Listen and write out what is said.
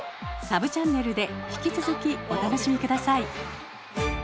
サブチャンネルで引き続きお楽しみください。